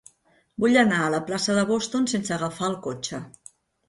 Vull anar a la plaça de Boston sense agafar el cotxe.